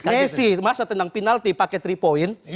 messi masa tentang penalti pakai tiga point